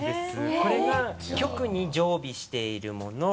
これが局に常備しているもの。